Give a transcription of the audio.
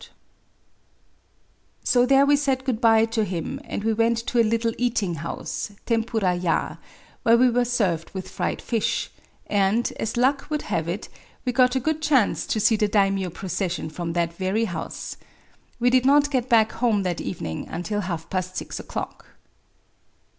Digitized by Googk A WOMAN'S DIARY iii good by to him, and we went to a little eating house [//m ^«r<f^tf] , where we were served with fried fish; and, as luck would have it, we got a good chance to see the Daimyo procession from that very house. We did not get >ack home that evening until half past six o'clock.